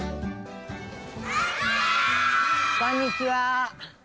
こんにちは。